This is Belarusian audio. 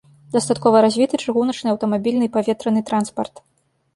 Дастаткова развіты чыгуначны, аўтамабільны і паветраны транспарт.